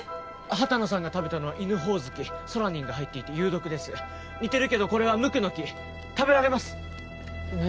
畑野さんが食べたのはイヌホオズキソラニンが入っていて有毒です似てるけどこれはムクノキ食べられます何？